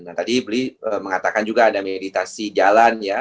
nah tadi bli mengatakan juga ada meditasi jalan ya